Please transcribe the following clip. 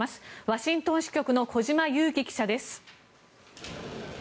ワシントン支局の小島佑樹記者です。